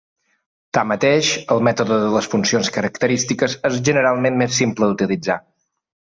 Tanmateix, el mètode de les funcions característiques és generalment més simple d'utilitzar.